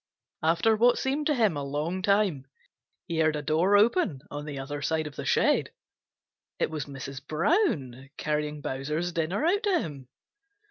After what seemed to him a long time, he heard a door open on the other side of the shed. It was Mrs. Brown carrying Bowser's dinner out to him.